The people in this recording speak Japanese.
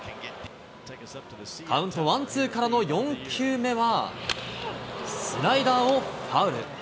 カウント、ワンツーからの４球目は、スライダーをファウル。